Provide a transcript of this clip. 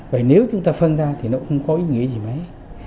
vậy nếu chúng ta phân ra thì nó không có ý nghĩa gì mấy